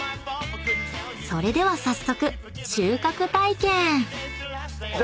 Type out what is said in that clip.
［それでは早速収穫体験］